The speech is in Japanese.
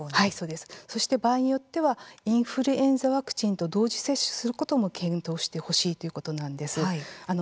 そして、場合によってはインフルエンザワクチンと同時接種することも検討してほしいということなんです。